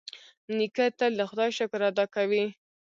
نیکه تل د خدای شکر ادا کوي.